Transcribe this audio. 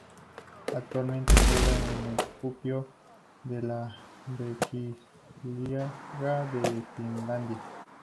Actualmente juega en el Kuopio de la Veikkausliiga de Finlandia.